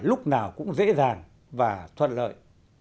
lúc nào cũng dễ dàng và thuận lợi